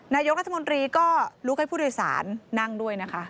นายกรัฐมนตรีก็ลุกให้ผู้โดยสารนั่งด้วยนะคะ